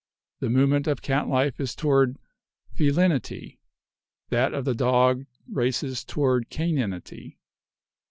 The movement of cat life is toward felinity, that of the dog races toward caninity.